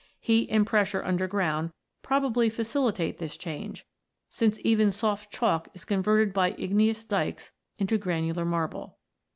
Heat and pressure underground probably facilitate this change, since even soft chalk is converted by igneous dykes into granular marble.